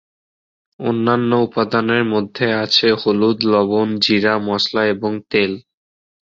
অন্যান্য উপাদানের মধ্যে আছে হলুদ, লবণ, জিরা, মসলা এবং তেল।